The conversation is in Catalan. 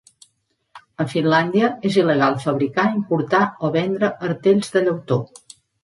A Finlàndia, és il·legal fabricar, importar o vendre artells de llautó.